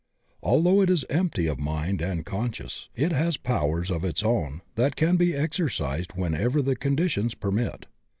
Although it is empty of mind and conscience, it has powers of its own that can be exercised whenever the conditions permit.